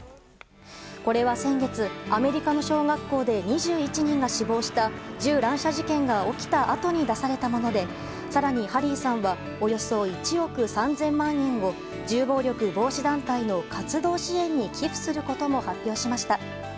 これは先月、アメリカの小学校で２１人が死亡した銃乱射事件が起きたあとに出されたもので更にハリーさんはおよそ１憶３０００万円を銃暴力防止団体の活動支援に寄付することも発表しました。